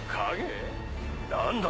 何だ？